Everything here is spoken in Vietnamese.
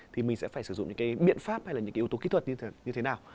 thì mình sẽ phải sử dụng những cái biện pháp hay là những cái yếu tố kỹ thuật như thế như thế nào